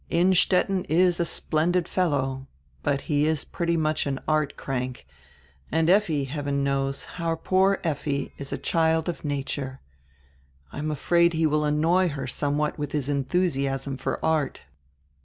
Innstetten is a splendid fellow, but he is pretty much of an art crank, and Effi, heaven knows, our poor Effi is a child of nature. I am afraid he will annoy her somewhat with his enthusiasm for art."